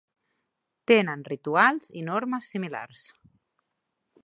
Tenen rituals i normes similars.